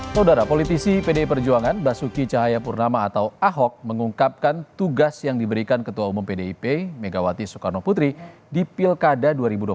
saudara politisi pdi perjuangan basuki cahayapurnama atau ahok mengungkapkan tugas yang diberikan ketua umum pdip megawati soekarno putri di pilkada dua ribu dua puluh